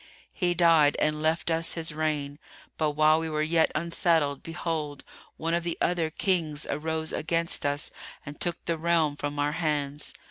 He died and left us his reign, but while we were yet unsettled, behold, one of the other Kings arose against us and took the realm from our hands.